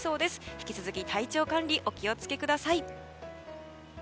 引き続き、体調管理にお気を付けください。